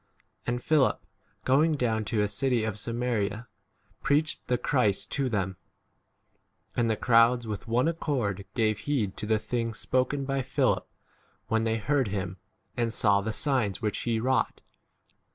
And Philip, going down to a city of Samaria, preached 8 the Christ to them ; and the crowds with one accord gave heed to the things spoken by Philip, when they heard [him] and saw the signs 7 which he wrought.